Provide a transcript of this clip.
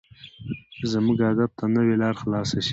چې زموږ ادب ته نوې لار خلاصه شي.